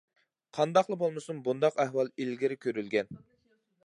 قانداقلا بولمىسۇن بۇنداق ئەھۋال ئىلگىرى كۆرۈلگەن.